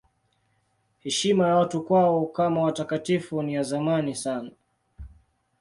Heshima ya watu kwao kama watakatifu ni ya zamani sana.